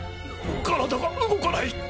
体が動かない！